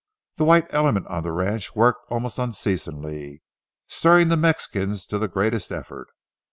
The white element on the ranch worked almost unceasingly, stirring the Mexicans to the greatest effort.